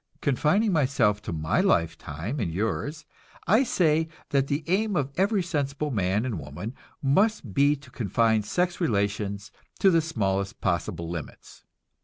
Confining myself to my lifetime and yours, I say that the aim of every sensible man and woman must be to confine sex relations to the smallest possible limits.